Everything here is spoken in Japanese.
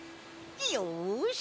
よし！